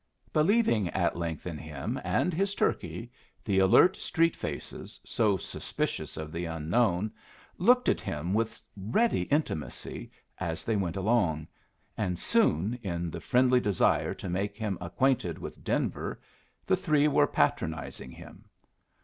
Believing at length in him and his turkey, the alert street faces, so suspicious of the unknown, looked at him with ready intimacy as they went along; and soon, in the friendly desire to make him acquainted with Denver, the three were patronizing him.